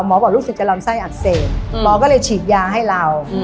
บอกรู้สึกจะลำไส้อักเสบหมอก็เลยฉีดยาให้เรา